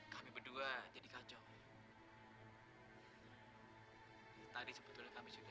sampai jumpa di video selanjutnya